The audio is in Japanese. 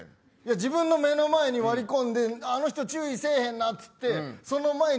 自分の目の前に割り込んであの人注意せえへんなっていって。